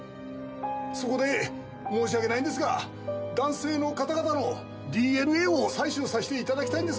そこで申し訳ないんですが男性の方々のＤＮＡを採取させて頂きたいんですが。